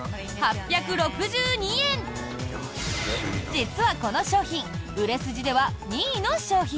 実はこの商品売れ筋では２位の商品。